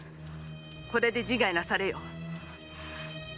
これで自害なされよ。